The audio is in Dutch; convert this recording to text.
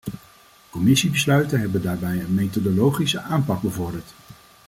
Commissiebesluiten hebben daarbij een methodologische aanpak bevorderd.